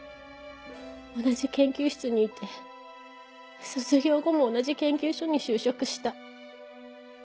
同じ研究室にいて卒業後も同じ研究所に就職した。